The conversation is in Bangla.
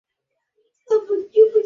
যুবক অবস্থায় তার পিতা মাতা মারা যান।